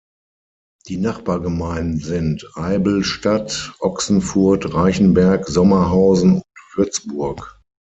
Die Nachbargemeinden sind Eibelstadt, Ochsenfurt, Reichenberg, Sommerhausen und Würzburg.